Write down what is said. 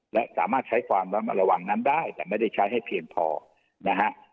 และสามารถใช้ความระวังนั้นได้แต่ไม่ได้ใช้ให้เพียงพอนะฮะ